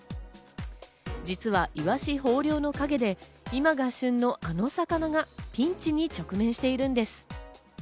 実はイワシ豊漁の陰で、今が旬のあの魚がピンチに直面しているんです。